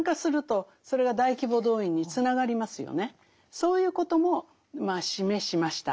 そういうこともまあ示しました。